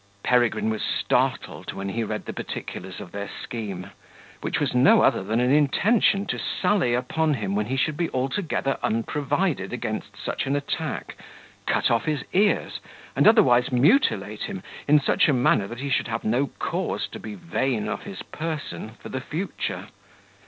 Peregrine was startled when he read the particulars of their scheme, which was no other than an intention to sally upon him when he should be altogether unprovided against such an attack, cut off his ears, and otherwise mutilate him in such a manner that he should have no cause to be vain of his person for the future.